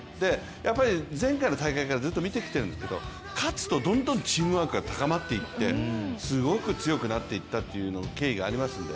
やっぱり前回の大会からずっと見てきてるんですけど勝つとどんどんチームワークが高まっていってすごく強くなっていったっていう経緯がありますんで。